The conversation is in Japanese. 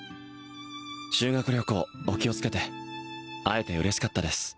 修学旅行お気をつけて会えて嬉しかったです